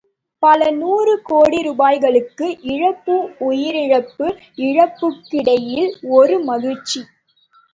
பல நூறு கோடி ரூபாய்களுக்கு இழப்பு உயிரிழப்பு இழப்புகளுக்கிடையில் ஒரு மகிழ்ச்சி.